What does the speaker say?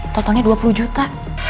totalnya dua puluh juta